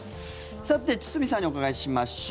さて、堤さんにお伺いしましょう。